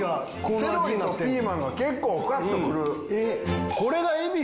セロリとピーマンが結構ガッとくる。